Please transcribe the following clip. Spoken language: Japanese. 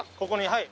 はい。